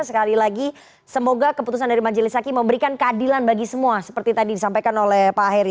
sekali lagi semoga keputusan dari majelis hakim memberikan keadilan bagi semua seperti tadi disampaikan oleh pak heri